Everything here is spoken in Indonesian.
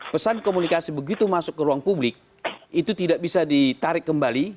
pesan komunikasi begitu masuk ke ruang publik itu tidak bisa ditarik kembali